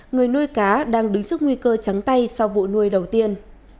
người nuôi cá đang đứng trước nguy cơ trắng tay sau vụ nuôi đầu tiên